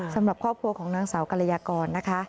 สำหรับครอบครัวของนางสาวกรยากรนะคะ